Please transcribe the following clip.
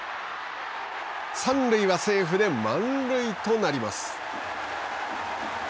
三塁はセーフで満塁となります。